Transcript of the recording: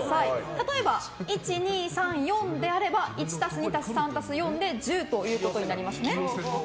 例えば、１２３４であれば１＋２＋３＋４で１０となります。